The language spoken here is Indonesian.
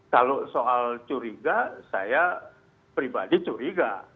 kalau soal curiga saya pribadi curiga